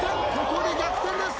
ここで逆転です。